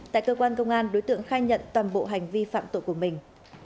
tại cơ quan công an đối tượng khai nhận toàn bộ hành vi phạm tội của mình